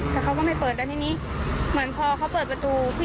แต่เขาก็ไม่เปิดแล้วทีนี้เหมือนพอเขาเปิดประตู